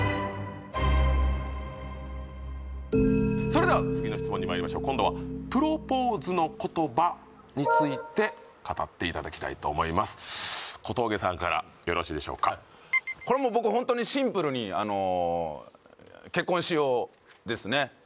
それでは次の質問にまいりましょう今度はプロポーズの言葉について語っていただきたいと思います小峠さんからよろしいでしょうかこれもう僕ホントにシンプルにあの「結婚しよう」ですね